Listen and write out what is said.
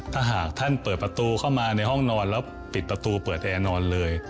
ถ้าหากท่านเปิดประตูเข้ามาในห้องนอนแล้วปิดประตูเปิดแอร์นอนเลย